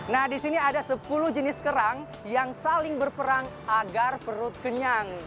nah di sini ada sepuluh jenis kerang yang saling berperang agar perut kenyang